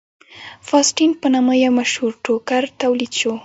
فاسټین په نامه یو مشهور ټوکر تولید شو.